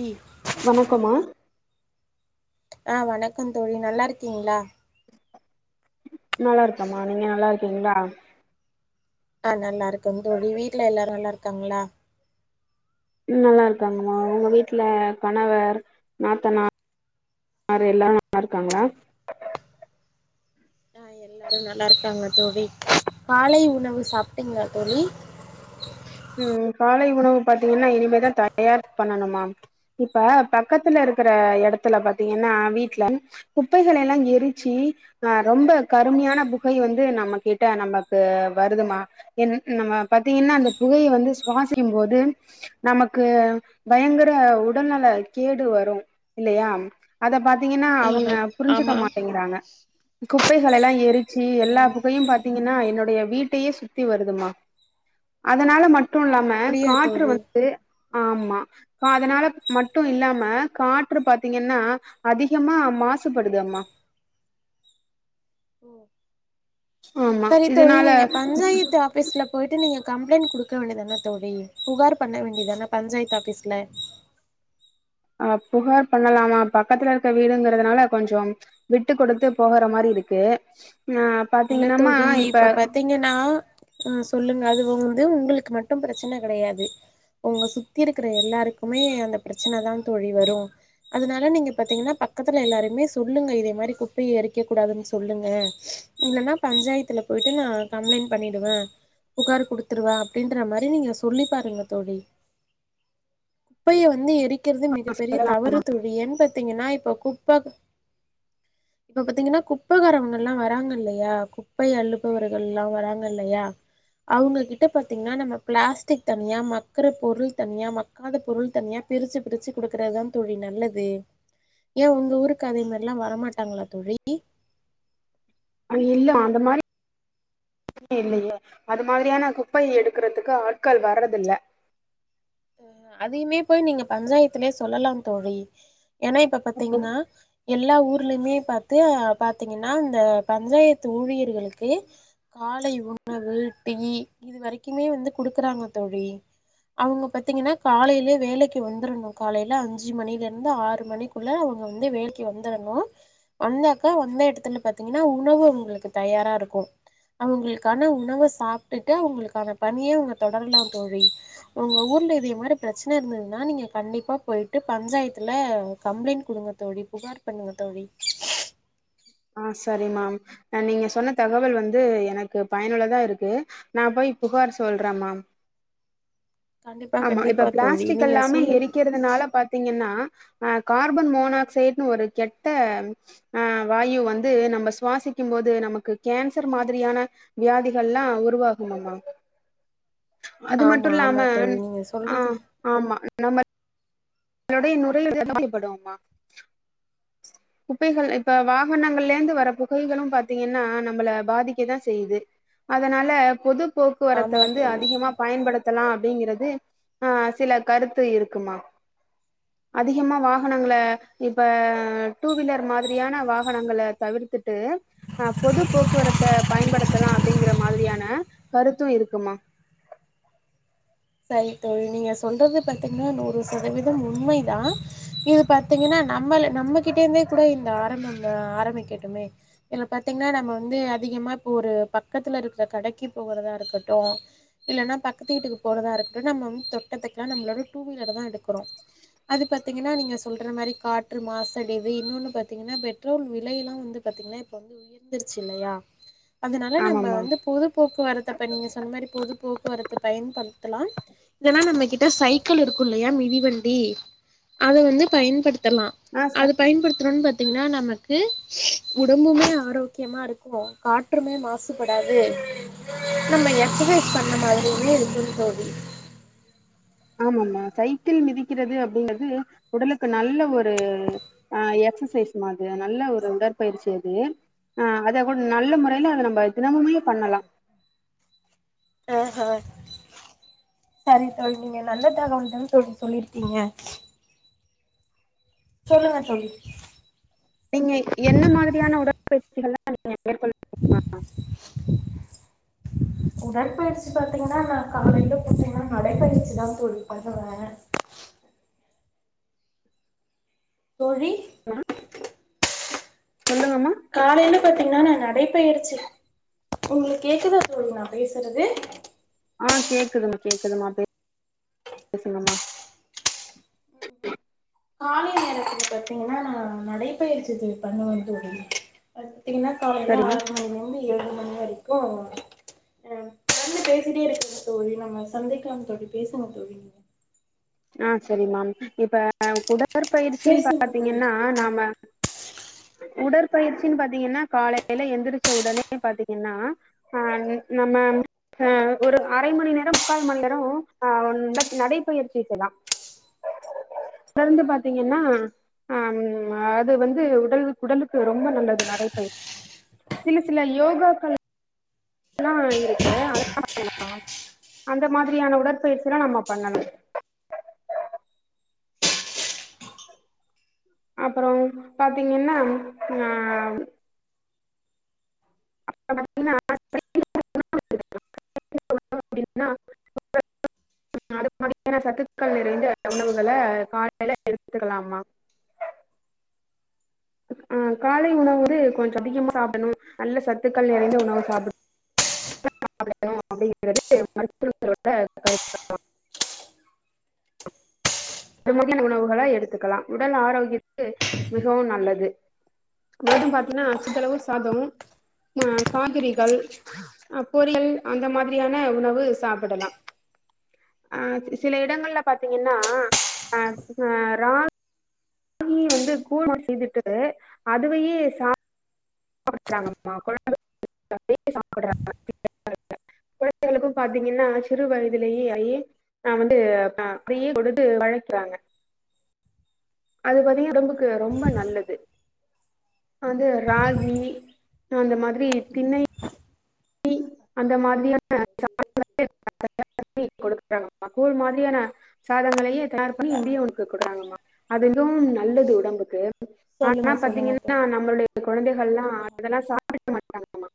ஏய் வணக்கமா ஆ வணக்கம் தோழி நல்லாருக்கீங்களா நல்லாருக்கமா நீங்க நல்லாருக்கீங்களா ஆ நல்லாருக்கோ தோளி வீட்ல எல்லாரு நல்லாருக்காங்களா உ நல்லாருக்காங்கம்மா உங்க வீட்டுல கணவர் நாத்தனா ரு எல்லாரு நல்லாருக்காங்களா எல்லாரு நல்லாருக்காங்க தோழி காலை உணவு சாப்ட்டீங்களா தோழி உ காலை உணவு பாத்தீங்கனா இனிமேதா தயார் பண்ணணுமாம் இப்ப பக்கத்துல இருக்கிற எடத்துல பாத்தீங்கன்னா வீட்டுல குப்பைகளல்லா எரிச்சு ஆ ரொம்ப கருமையான புகை வந்து நம்ம கிட்ட நமக்கு வருதுமா என் நம்ம பாத்தீங்கன்னா அந்த புகய வந்து சுவாசிக்குபோது நமக்கு பயங்கர உடல்நல கேடு வரு இல்லயா அத பாத் தீங்கனா அவங்க ஆஹ புரிஞ்சிக்க ஆமா மாட்டேங்கறாங்க குப்பைகலலா ஏ ச்சி எல்லா ம் புகையு பாத்தீங்கன்னா என்னோட எ வீட்டயே சுத்தி வருதுமா அதனால மட் ட்டு ஓ இல்லாம அப்டியா காற்று தோழி வந்து ஆமா அதனால மட்டு இல்லாம காற்று பாத்தீங்கன்னா அதிகமா மாசுபடுதாமா உ சரி தோளி இதனால நீங்க பஞ்சாயத்து ஆஃபீஸ்ல போயிட்டு நீங்க கம்ப்ளைண்ட் குடுக்க வேண்டியதானே தோழி புகார் பண்ண வேண்டியதானே பஞ்சாயத்து ஆபீஸ்ல அப்புறமா பண்ணலாமா பக்கத்துல இருக்க வீடுங்கறதுனால கொஞ்சம் விட்டு கொடுத்து போகற மாரி இருக்கு ஆ இல்ல பாத்தீங்கன்னாமா தோழி இப்ப பாத்தீங்கன்னா அ சொல்லுங்க அது வந்து உங்களுக்கு மட்டும் பிரச்சனை கிடையாது உங்க சுத்தி இருக்கற எல்லாருக்குமே அந்த பிரச்சனைதா தோழி வரும் அதனால நீங்க பாத்தீங்கன்னா பக்கத்துல எல்லாருமே சொல்லுங்க இதே மாரி குப்பையே எரிக்ககூடாதுன்னு சொல்லுங்க இல்லன்னா பஞ்சாயத்துல போயிட்டு நா கம்ப்ளைண்ட் பண்ணிடுவே புகாரு குடுத்துருவே அப்படின்ற மாரி நீங்க சொல்லி பாருங்க தோழி குப்பையை வந்து எரிக் அடிக்கிறது மிகப்பெரிய சொல்லலாம், தவறு தோழி ஏன் பாத்தீங்கன்னா இப்ப குப்ப இப்ப பாத்தீங்கன்ன குப்பகாரங்கல்ல வராங்க இல்லிங் யா குப்பை அள்ளுபவர்கள்ல்லா வராங்க இல்லையா அவங்க கிட்ட பாத்தீங்கன்னா நம்ம பிளாஸ்டிக் தனியா மக்கற பொருள் தனியா மக்காத பொருள் தனியா பிரிச்சு பிரிச்சு குடுக்கறதுதா தோழி நல்லது ஏ உங்க ஊருக்கு அதே மாரில்ல வரமாட்டாங்களா தோழி இல்ல அந்த மாரி இல்லையே அது மாதிரியான குப்பையை எடுக்கறதுக்கு ஆட்கள் வர்றதில்ல அதையுமே போய் நீங்க பஞ்சாயத்துலயே சொல்லலாம் தோழி ஏனா இப்ப பாத்தீங்கன்னா எல்லா ஊர் மே பாத்தா பாத்தீங்கன்னா இந்த பஞ்சாயத்து ஊழியர்களுக்கு காலை உணவு டெய் இது வரைக்குமே வந்து குடுக்குறாங்க தோழி அவங்க பாத்தீங்கன்னா காலையலயே வேலைக்கு வந்துருணும் காலையல அஞ்சு மணிலந்து ஆறு மணிக்குள்ள அவங்க வந்து வேலைக்கு வந்துருணும் வந்தாக்கா வந்த இடத்துல பாத்தீங்கன்னா உணவு அவங்களுக்கு தயாரா இருக்கும் அவங்களுக்கான உணவ சாப்ட்டுட்டு அவங்களுக்கான பணியை அவங்க தொடரலாம் தோழி அவங்க ஊர் இல்ல இதுக் முன்னாடி பிரச்சனை இருந்ததுன்னா நீங்க கண்டிப்பா போயிட்டு பஞ்சாயத்துல கம்ப்ளைண்ட் குடுங்க தோழி புகார் பண்ணுங்க தோழி ஆ சரிம்மாம் அ நீங்க சொன்ன தகவல் வந்து எனக்கு பயனுள்ளதா இருக்கு நா போய் புகார் சொல்றம்மா கண்டிப்பா ஆமா கண்டிப்பா இப்ப தோழி பிளாஸ்டிக் நீங்க எல்லாமே சொல்லுங் எரிக்கறதுனால பாத்தீங்கன்னா அ கார்பன் மோனாக்சைடுன் ஒரு கெட் ட்ட ஆ ம் வாயு வந்து நம்ப சுவாசிக்கும் போது நமக்கு கேன்சர் மாதிரியான வியாதிகள் எல்லாம் உருவாகும்மமா அது ஆமா மட்டும் இல்லாம ஆமா ம் தோழி நீங்க ஆ சொல்றது ஆமா நம்ம அதோட நுரையீரலும் பாதிக்கப்படுமா குப்பைகள இப்ப ம் ம் வாகனங்கலந்து வர புகைகளும் பாத்தீங்கன்னா நம்ம நம்பள பாதிக்கதா செய்யுது அதனால பொது போக்குவரத்த ஆமா வந்து தோழி அதிகமா பயன்படுத்தலா அப்படிங்கறது ந்து ஆ சில கருத்து இருக்குமா அதிகமா வாகனங்கள இப்ப மாதிரியான வாகனங்கள தவிர்த்துட்டு அ பொது போக்குவரத்த பயன்படுத்தலா அப்டிங்கற மாதிரியான கருத்தும் இருக்கும்மா சரி தோழி நீங்க சொல்றது பாத்தீங்கன்னா நூறு சதவீதம் உண்மை தா இது பாத்தீங்கன்னா நம்பள நம்பகிட்டே இருந்தே கூட இந்த ஆரம்பம்ங்க ஆரம்பிக்க ம்மே இல்ல பாத்தீங்கன்னா நம்ம வந்து அதிகமா இப்ப ஒரு பக்கத்துல இருக்கற கடைக்கு போகறதா இருக்கட்டும் இல்லன்னா பக்கத்து வீட்டுக்கு போறதா இருக்கட்டும் நம்ம ம் தொட்டத்துக்கல்லா நம்மளோட டூவீலர தா எடுக்கறோம் அது பாத்தீங்கன்னா நீங்க சொல்ற மாரி காற்று மாசடைவு இன்னொன்னு பாத்தீங்கன்னா பெட்ரோல் விலைல்லா வந்து பாத்தீங்கன்னா இப்ப வந்து உயர்ந்துருச்சு இல்லையா அதனால நம்ப ஆமாமா வந்து பொது போக்குவரத்த இப்ப நீங்க சொன்ன மாரி பொது போக்குவரத்த பயன்படுத் இல்லனா நம்ம கிட்ட சைக்கிள் இருக்கும் இல்லையா மிதிவண்டி அத வந்து பயன்படுத் த்தலா ஆ ச அது பயன்படுத்துறன் பாத் த்தீங்கன்னா நமக்கு உடம்புமே ஆரோக்கியமா இருக்கும் காற்றுமே மாசுபடாது நம்ம எக்ஸசைஸ் பண்ண மாதிரியமே இருக்கும் தோழி ஆமாம்மா சைக்கிள் மிதிக்கிறது அப்படிங்கறது உடலுக்கு நல்ல ஒரு ஆ எக்சசைஸ்மா அது நல்ல ஒரு உடற்பயிற்சி அது அ அத கூட நல்ல முறையல அத நம்ப தினம்மமே பண்ணலா அ ஆ சரி தோழி நீங்க நல்ல தகவல் தா தோழி சொல்லிருக்கீங்க சொல்லுங்க தோழி நீங்க என்ன மாதிரியான உடற்பயிற்சிகள்ளா [inaudible] உடற்பயிற்சி பாத்தீங்கன்னா நா காலையல பாத்தீங்கன்னா நடைப்பயிற்சி தா தோழி பண்ணுவே தோழி சொல்லுங்கம்ம காலையல பாத்தீங்கன்னா நா நடைபயிற்சி உங்களுக்கு கேக்குதா தோழி நா பேசுறது ஆ கேக்குதுமா. கேக்குதுமா பே பேசுங்கமா காலை நேரத்துல பாத்தீங்கன்னா நான் நடைபயிற்சி செய் பண்ணுவே தோழி பாத்தீங்கான காலையல சரிம்மா ஆறு மணிலந்து ஏழுமணி வரைக் ஓ ஆ ம் சன்னு பேசிட்டே இருக்கங்க தோழி நம்ம சந்தைக்கலாம் தோழி பேசுவோம் தோழி ஆ செரிம்மா இப்ப கூட உடற்பயிற்சின் பேசுங்க தோழி பாத்தீங்கன்னா நாம்ம உடற்பயிற்சின் பாத்தீங்கன்னா காலையல எந்திரிச்ச உடனே பாத்தீங்கன்னா அ. நம்ம ஆ ஒரு அரை மணி நேரம் முக்கால் மணி நேரம் ஆ ட நடைப்பயிற்சி நடந்து பாத்தீங்கன்னா அ அது வந்து உடல உ டலுக்கு ரொம்ப நல்லது நடைபயிற்சி சில சில யோகாக்கள் ல்லாம் இருக்கு அதாம் அந்த மாதிரியான உடற்பயிற்சில்லா நம்ம பண்ணலா அப்புறம் பாத்தீங்கன்னா ஆ [inaudible] [inaudible] அப்படினா அது [unintelligible] மாதிரியான சத்துக்கள் நிறைந்த உணவுகள காலையல எடுத்துக்கலாம்மா ஆ காலை உணவுது கொஞ்சம் அதிகமா சாப்படணும் நல்ல சத்துக்கள் நிறைந்த உணவு சாப்பி [inaudible] அப்படிங்கிறது மருத்துருத்தோட கருத்து [unintelligible] உணவுகள எடுத்துக்கலா உடல் ஆரோக்கியத்துக்கு மிகவும் நல்லது மதும் பாத்தீங்கன்னா சிறிதளவு சாதம் மா காய்கறிகள் அ பொரியல் அந்த மாதிரியான உணவு சாப்பிடலாம் அ சில இடங்கள்ல பாத்தீங்கன்னா அ ஆ ரா கி வந்து கூழம் செய்துட்டு அதுவையே சா [unintelligible] கொழந்தைகளுக்கும் பாத்தீங்கன்னா சிறு வயதிலேயே ஐ நா வந்து. அ கொடுத்து பழக்கிறாங்க அது பாத்தீங்க உடம்புக் க்கு ரொம்ப நல்லது அது ராகி அ அந்த மாதிரி திண்ணை அந்த மாதிரியான [inaudible] கொடுக்குறாங்கமா கூழ் மாதிரியான சாதங்களயு தயார் பண்ணி [inaudible] கொடுக்குறாங்கம்மா அதயும் நல்லது உடம்புக்கு ஆனா சொல்லுங்க சொல்லுங்க பாத்தீங்கன்னா தோழி நம்மளுடைய குழந்தைகள்லா அதெல்லா சாப்புட மாட் டாங்கம்மா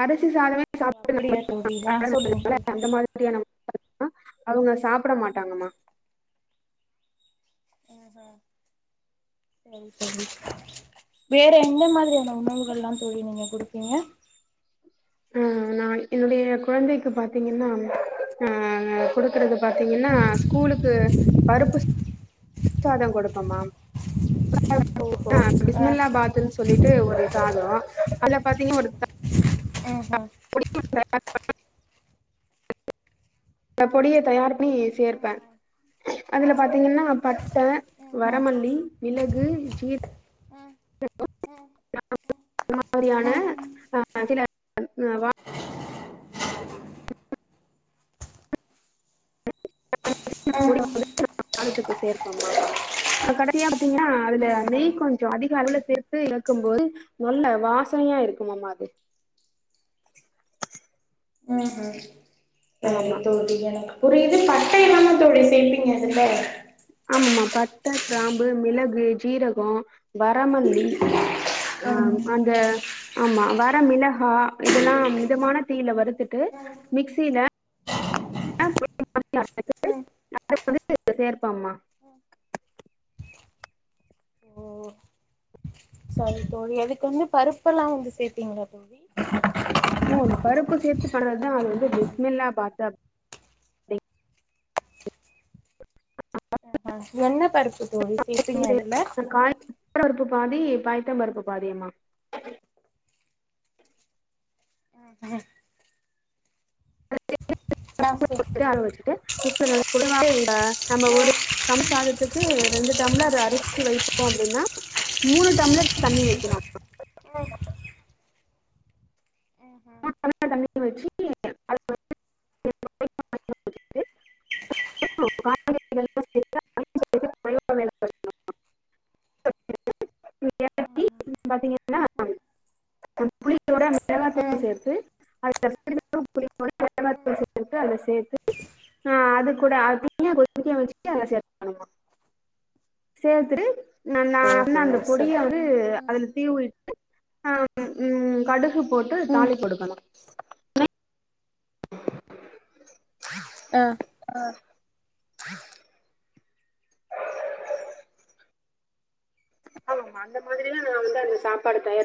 அரு சி சாதமெ ஓ அப்படியா தோழி ஆ சொல்லுங்க தோழி [inaudible] அந்த மாதிரியான [inaudible] அ அவுங்க சாப்புட மாட்டாங்கம்மா ம்ஹும் சரி சரி வேற எந்த மாதிரியான உணவுகள்லா தோழி நீங்க குடுப்பீங்க ம் நான் என்னுடைய குழந்தைக்கு பாத்தீங்கன்னா அ குடுக்குறது பாத்தீங்கன்னா ஸ்கூலுக்கு பருப்பு சாதம் கொடுப்பம்மா [inaudible] ஓஹோ [inaudible] ஆ பிஸ்மல்லா பாத்துன் சொல்லிட்டு ஒரு சாதொ அல்ல பாத்தீங்க ஒருத்த ம் ம் [inaudible] த பொடிய தயார் ணி சேர்ப்பே அதுல பாத் தீங்கன்னா பட்ட ம் வரமல்லி மிளகு ஜீ ரகொ [inaudible] அது மாதிரியான ம் ம் ஆ சில வா [inaudible] காரத்துக்கு சேர்ப்பம்மா கடைசியா பாத்தீங்கன்னா அதுல நெய் கொஞ்ச அதிக அளவுல சேர்த்து இறக்கும் போது நல்ல வாசனையா இருக்குமம்மா அது ம்ஹும் ஆமா [unintelligible] தோழி இது பட்டையெல்லாமா தோழி சேப்பீங்க அதுல ஆமா பட்ட கிராம்பு மிளகு ஜீரகொ வரமல்லி ஆ அந்த ஆமா வர மிளகா இதெல்லா மிதமான தீயில வறுத்துட்டு மிக்சில ம் [inaudible] சேர்ப்பம்மா ஓ சரி தோழி எதுக்குமே பருப்பல்லா வந்து சேர்த்தீங்ளா தோழி ஆமாமா பருப்பு சேத்து பண்றதுதா அது வந்து பிஸ்மெல்லா பாத்து அ அஹ என்ன பருப்பு தோழி சேப்பீங்க அதுல வர பருப்பு பாதி பயத்தம் பருப்பு பாதியம்மா ஆ சே [inaudible] கார வச்சுட்டு ப்ப [inaudible] குக்கரு [inaudible] நம்ம ஒரு டம்ளர் சாதத்துக்கு ரெண்டு டம்ளர் அரிசி வைப்போம் அப்படின்னா மூணு டம்ளர் தண்ணி வைக்கனு மூனு டம்ளர் தண்ணி வச்சு அதுல வந்து [inaudible] [inaudible] [inaudible] இத்தி பாத்தீங்கன்னா புளியோட மிளகாத்தூள் ம் சேர்த்து அதோட மிளகாத்தூள் சேர்த்து அத சேத்து அ அது கூட அதனா கொதிக்க வச்சுட்டு அதை சேருண சேத்து நல்லா ஓஹோ நல்ல ச கொடியாவ்து அதுல தீவிட்டு ஆ உ கடுகு போட்டு ம் தாளி கொடுக்கணு [inaudible] ஆ அ [inaudible] ஆமா ஆமா அந்த மாதிரிதா நா வந்து அந்த சாப்பாடு தயார்பன்